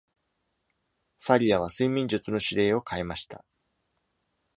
ファリア （Faria） は睡眠術の指令を変えました。